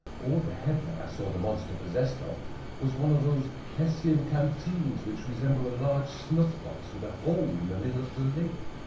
All the head that I saw the monster possessed of was one of those Hessian canteens which resemble a large snuff box with a hole in the middle of the lid.